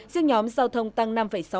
riêng nhóm giao thông tăng năm sáu mươi tám